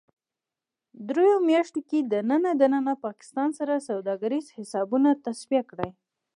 دریو میاشتو کې دننه ـ دننه پاکستان سره سوداګریز حسابونه تصفیه کړئ